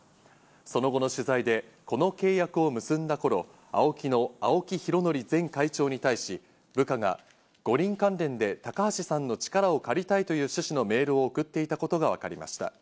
その後の取材でこの契約を結んだ頃、ＡＯＫＩの青木拡憲前会長に対し、部下が、五輪関連で高橋さんの力を借りたいという趣旨のメールを送っていたことがわかりました。